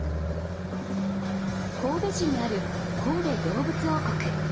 神戸市にある神戸どうぶつ王国。